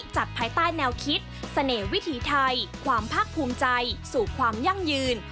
ภายใต้แนวคิดเสน่ห์วิถีไทยความภาคภูมิใจสู่ความยั่งยืน